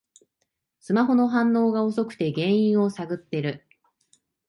スマホの反応が遅くて原因を探ってる